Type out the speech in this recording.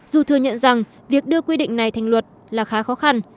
dù thừa nhận rằng việc đưa quy định này thành luật là khá khó khăn